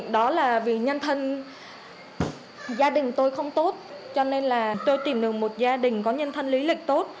đó là vì nhân thân gia đình tôi không tốt cho nên là tôi tìm được một gia đình có nhân thân lý lịch tốt